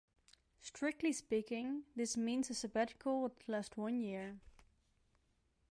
Strictly speaking, this means a sabbatical would last one year.